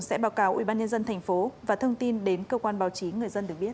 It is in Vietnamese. sẽ báo cáo ubnd tp và thông tin đến cơ quan báo chí người dân được biết